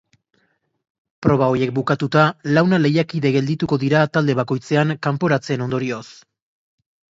Proba horiek bukatuta, launa lehiakide geldituko dira talde bakoitzean kanporatzeen ondorioz.